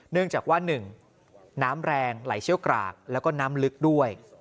เนื่องจากว่า๑น้ำแรงไหลเชี่ยวกรากแล้วก็น้ำลึกด้วย